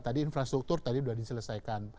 tadi infrastruktur sudah diselesaikan